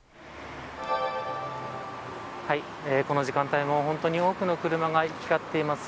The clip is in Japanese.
この時間帯も本当に多くの車が行き交っています。